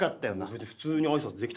別に普通に挨拶できた。